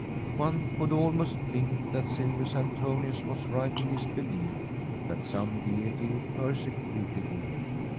One could almost think that Silvius Antonius was right in his belief that some deity persecuted him.